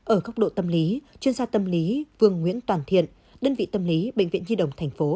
ở góc độ tâm lý chuyên gia tâm lý vương nguyễn toàn thiện đơn vị tâm lý bệnh viện nhi đồng tp